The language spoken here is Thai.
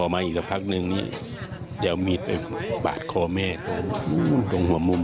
มีลังอะไรบอกไหม